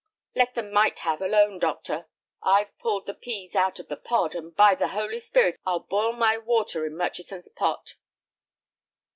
"Let the 'might have' alone, doctor. I've pulled the pease out of the pod, and by the Holy Spirit I'll boil my water in Murchison's pot!"